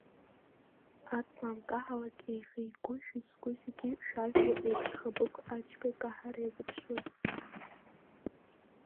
Аҵла анкаҳалак, еихеи еигәышәи зку зегьы шажәло еиԥш, Хабыгә Ачба икаҳара иазыԥшын.